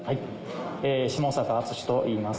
下坂厚といいます。